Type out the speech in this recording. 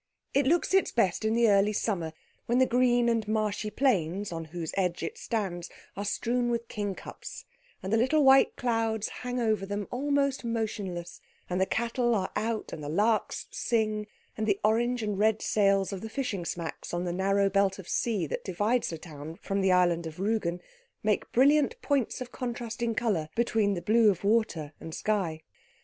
It looks its best in the early summer, when the green and marshy plains on whose edge it stands are strewn with kingcups, and the little white clouds hang over them almost motionless, and the cattle are out, and the larks sing, and the orange and red sails of the fishing smacks on the narrow belt of sea that divides the town from the island of Rügen make brilliant points of contrasting colour between the blue of water and sky.